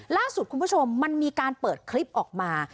ล่าสุดคุณผู้ชมมันมีการเปิดคลิปออกมา